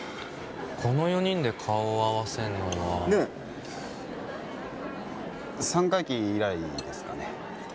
この４人で顔合わせるのは三回忌以来ですかね